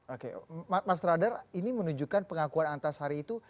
oke mas radar ini menunjukkan pengakuan antasari itu